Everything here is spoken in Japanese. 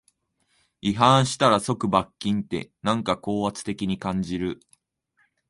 違反したら即罰金って、なんか高圧的に感じる